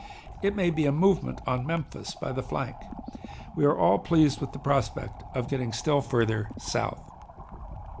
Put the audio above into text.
It may be a movement on Memphis by the flank. We are all pleased with the prospect of getting still farther South.